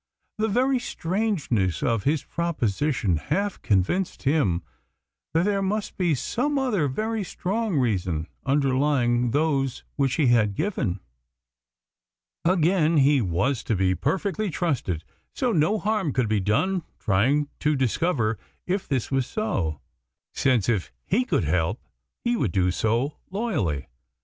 The very strangeness of his proposition half convinced him that there must be some other very strong reason underlying those which he had given. Again, he was to be perfectly trusted, so no harm could be done trying to discover if this was so, since if he could help he would do so loyally.